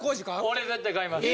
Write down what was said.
俺絶対買います。